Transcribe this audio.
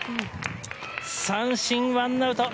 三振１アウト。